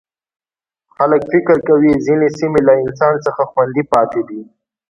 خلک فکر کوي ځینې سیمې له انسان څخه خوندي پاتې دي.